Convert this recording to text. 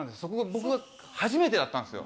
僕が初めてだったんですよ。